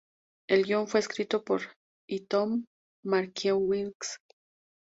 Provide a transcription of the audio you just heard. El guion fue escrito por y Tom Mankiewicz.